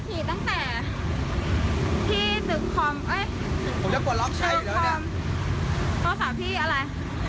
โทรศาสตร์พี่อะไร